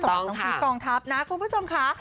สำหรับน้องพีคกองทัพนะคุณผู้ชมค่ะ